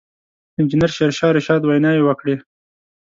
انجنیر شېرشاه رشاد ویناوې وکړې.